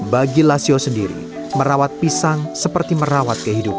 bagi lasio sendiri merawat pisang seperti merawat kehidupan